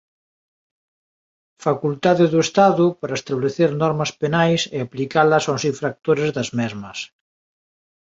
Facultade do Estado para establecer normas penais e aplicalas aos infractores das mesmas.